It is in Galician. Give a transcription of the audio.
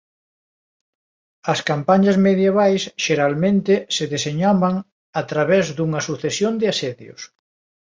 As campañas medievais xeralmente se deseñaban a través dunha sucesión de asedios.